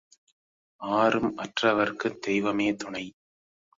ஆரும் அற்றவருக்குத் தெய்வமே துணை.